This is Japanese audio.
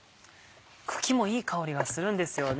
茎もいい香りがするんですよね。